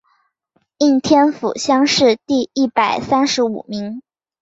应天府乡试第一百三十五名。